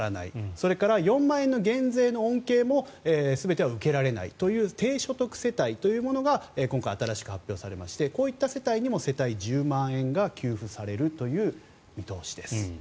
それから４万円の減税の恩恵も全て受けられないという低所得世帯というものが今回新しく発表されましてこういった世帯にも世帯１０万円が給付されるという見通しです。